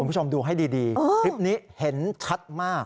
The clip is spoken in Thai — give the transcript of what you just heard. คุณผู้ชมดูให้ดีคลิปนี้เห็นชัดมาก